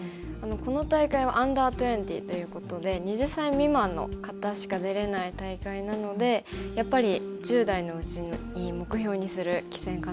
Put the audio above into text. この大会はＵ−２０ということで２０歳未満の方しか出れない大会なのでやっぱり１０代のうちに目標にする棋戦かなと思いますね。